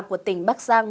của tỉnh bắc giang